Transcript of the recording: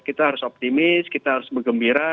kita harus optimis kita harus bergembira